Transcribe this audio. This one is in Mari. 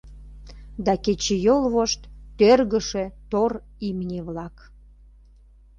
Да кечыйол вошт тӧргышӧ тор имне-влак.